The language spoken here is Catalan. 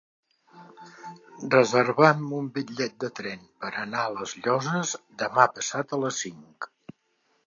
Reserva'm un bitllet de tren per anar a les Llosses demà passat a les cinc.